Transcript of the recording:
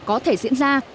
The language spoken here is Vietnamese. có thể diễn ra